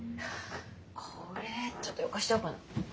これちょっとどかしちゃおうかな。